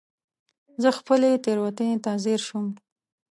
زه خپلې تېروتنې ته ځير شوم.